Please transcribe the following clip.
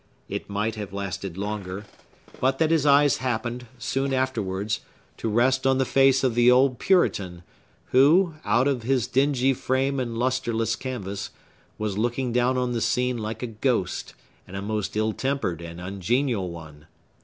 It might have lasted longer, but that his eyes happened, soon afterwards, to rest on the face of the old Puritan, who, out of his dingy frame and lustreless canvas, was looking down on the scene like a ghost, and a most ill tempered and ungenial one.